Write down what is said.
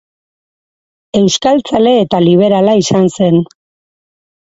Euskaltzale eta liberala izan zen.